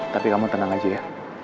tapi kamu tenang aja ya